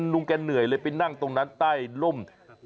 ลุงแกเหนื่อยเลยไปนั่งตรงนั้นใต้ร่ม